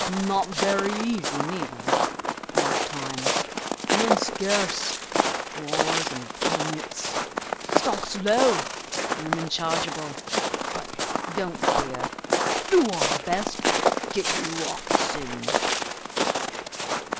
Not very easy, neither! hard times! men scarce; wars and tumults! stocks low! women chargeable! but don't fear; do our best; get you off soon."